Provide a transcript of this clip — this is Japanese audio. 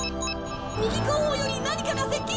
右後方より何かが接近！